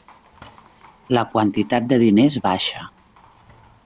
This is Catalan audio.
La quantitat de diners baixa.